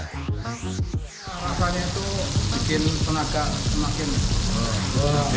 rasanya itu makin tenaga semakin